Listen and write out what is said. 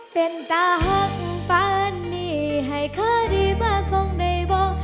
เป็นตาหักพาทนี้ให่เข้าอยู่มาส่งในท่อง